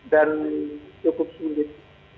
dan cukup sulit